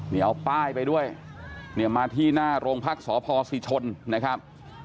นี่เอาป้ายไปด้วยเนี่ยมาที่หน้าโรงพักษพศิชนนะครับ